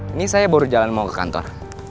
ini saya baru jalan mau ke kantor